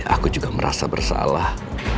aku juga merasa bersalah